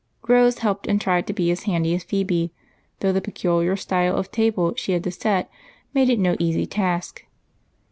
Rose helped, and tried to be as handy as Phebe, though the peculiar style of table she had to set made it no easy task.